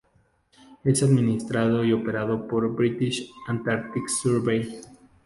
Es administrado y operado por la British Antarctic Survey.